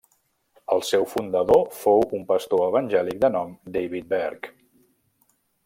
El seu fundador fou un pastor evangèlic de nom David Berg.